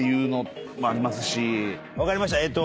分かりました。